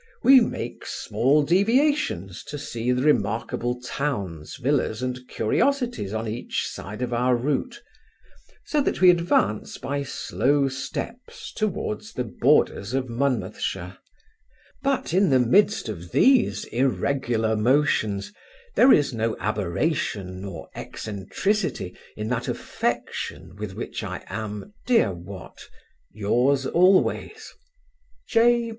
We make small deviations, to see the remarkable towns, villas, and curiosities on each side of our route; so that we advance by slow steps towards the borders of Monmouthshire: but in the midst of these irregular motions, there is no abberration nor eccentricity in that affection with which I am, dear Wat, Yours always, J.